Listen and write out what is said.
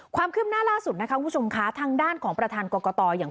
ความคืบหน้าล่าสุดนะคะคุณผู้ชมค่ะทางด้านของประธานกรกตอย่าง